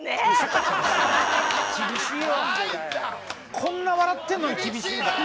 こんな笑ってんのに厳しい。